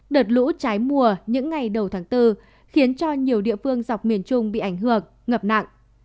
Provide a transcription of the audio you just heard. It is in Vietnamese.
đợt lũ trái mùa những ngày đầu tháng bốn khiến cho nhiều địa phương dọc miền trung bị ảnh hưởng ngập nặng